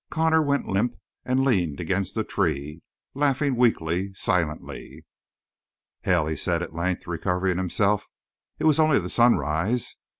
Connor went limp and leaned against a tree, laughing weakly, silently. "Hell," he said at length, recovering himself. "It was only the sunrise!